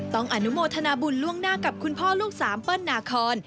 อนุโมทนาบุญล่วงหน้ากับคุณพ่อลูกสามเปิ้ลนาคอน